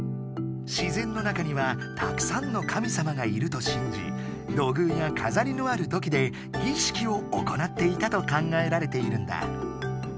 自然の中にはたくさんのかみさまがいるとしんじ土偶やかざりのある土器で儀式を行っていたと考えられているんだ。